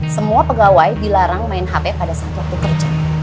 semua pegawai dilarang main hp pada saat waktu kerja